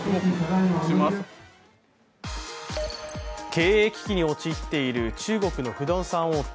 経営危機に陥っている中国の不動産大手